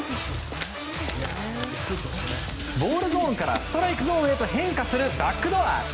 ボールゾーンからストライクゾーンへと変化するバックドア。